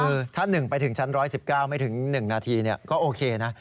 คือถ้า๑ไปถึงชั้น๑๑๙ไม่ถึง๑นาทีก็โอเคนะ